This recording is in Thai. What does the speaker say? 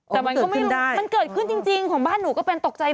แต่มันก็ไม่รู้มันเกิดขึ้นจริงของบ้านหนูก็เป็นตกใจ